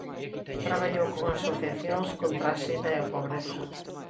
Traballou con asociacións contra a sida e a pobreza.